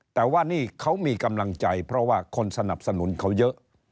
แต่ว่านี่เขามีกำลังใจเพราะว่าคนสนับสนุนเขาเยอะ